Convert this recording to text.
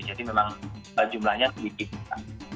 jadi memang jumlahnya sedikit